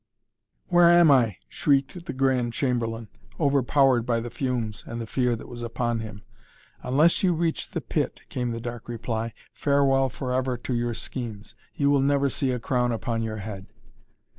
"Where am I?" shrieked the Grand Chamberlain, overpowered by the fumes and the fear that was upon him. "Unless you reach the pit," came the dark reply, "farewell forever to your schemes. You will never see a crown upon your head."